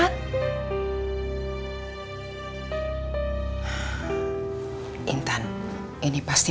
hai hai hai intan ini pasti